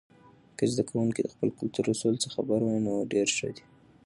که زده کوونکي د خپلو کلتور اصولو څخه خبر وي، نو ډیر ښه دی.